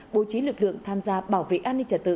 bố trí lực lượng tham gia bảo vệ an ninh trật tự